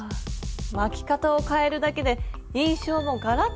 巻き方を変えるだけで印象もガラッと変わりますね。